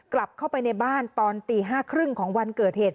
กลับเข้าไปในบ้านตอนตี๕๓๐ของวันเกิดเหตุ